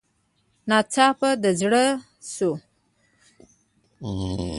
ناڅاپه درز شو.